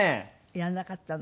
やらなかったの。